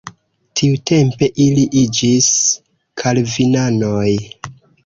Tiutempe ili iĝis kalvinanoj.